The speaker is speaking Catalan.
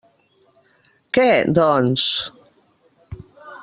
Què, doncs?